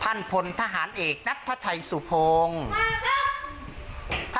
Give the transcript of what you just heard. ท่านผลทหารเอกนัฐชัยสุภงมาครับ